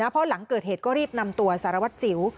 เพราะหลังเกิดเหตุก็รีบนำตัวสารวัตรสิว